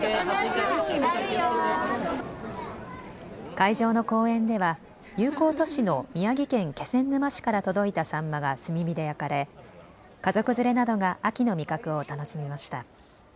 会場の公園では友好都市の宮城県気仙沼市から届いたサンマが炭火で焼かれ家族連れなどが秋の味覚を楽しみました。